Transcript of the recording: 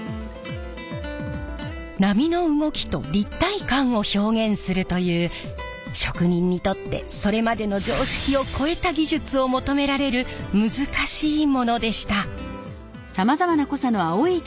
波の動きと立体感を表現するという職人にとってそれまでの常識を超えた技術を求められる難しいものでした。